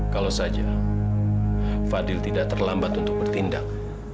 kalau saja fadil tidak terlambat untuk bertindak